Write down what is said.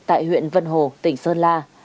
tại huyện vân hồ tỉnh sơn la